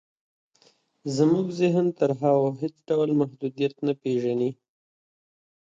زموږ ذهن تر هغو هېڅ ډول محدوديت نه پېژني.